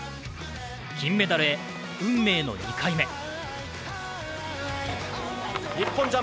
金メダルへ運命の２回目。